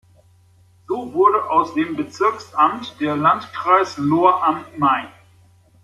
So wurde aus dem Bezirksamt der Landkreis Lohr am Main.